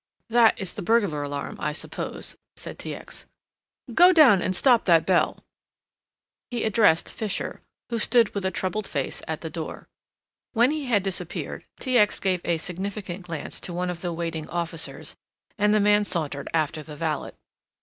"That is the burglar alarm, I suppose," said T. X.; "go down and stop that bell." He addressed Fisher, who stood with a troubled face at the door. When he had disappeared T. X. gave a significant glance to one of the waiting officers and the man sauntered after the valet.